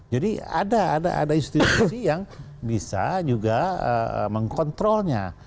jadi ada institusi yang bisa juga mengkontrolnya